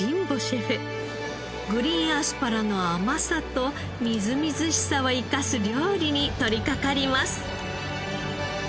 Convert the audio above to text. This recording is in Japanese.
グリーンアスパラの甘さとみずみずしさを生かす料理に取り掛かります。